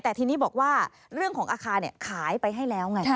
แต่ทีนี้บอกว่าเรื่องของอาคารขายไปให้แล้วไง